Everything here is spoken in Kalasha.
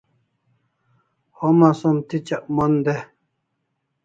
Homa som tichak mon de